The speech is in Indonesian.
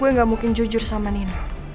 gue nggak mungkin jujur sama nino